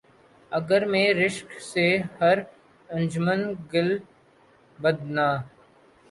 گرمئی رشک سے ہر انجمن گل بدناں